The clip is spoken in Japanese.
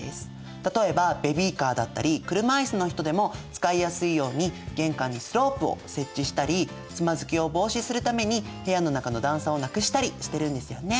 例えばベビーカーだったり車椅子の人でも使いやすいように玄関にスロープを設置したりつまずきを防止するために部屋の中の段差をなくしたりしているんですよね。